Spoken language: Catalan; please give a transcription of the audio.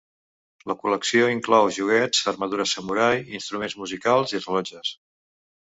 La col·lecció inclou joguets, armadures samurai, instruments musicals i rellotges.